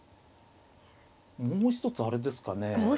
もう一つあれですかね。